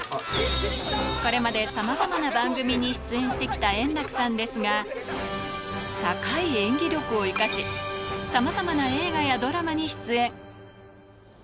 これまでさまざまな番組に出演してきた円楽さんですが、高い演技力を生かし、さまざまな映画やドラマに出演。